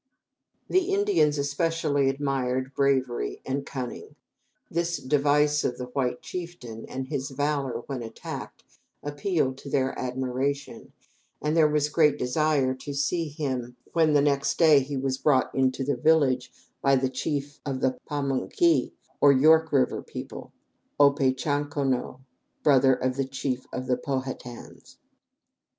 The Indians especially admired bravery and cunning. This device of the white chieftain and his valor when attacked appealed to their admiration, and there was great desire to see him when next day he was brought into the village by the chief of the Pa mun kee, or York River Indians, O pe chan ca nough, brother of the chief of the Pow ha tans.